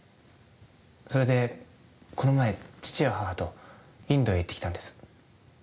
それでこの前父や母とインドへ行って来たんです。